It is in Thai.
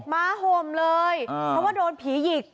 ม้าห่มเลยเพราะว่าโดนผีหยิก